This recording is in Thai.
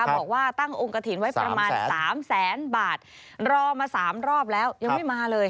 บอกว่าตั้งองค์กระถิ่นไว้ประมาณ๓แสนบาทรอมา๓รอบแล้วยังไม่มาเลย